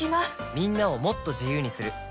みんなをもっと自由にする「三菱冷蔵庫」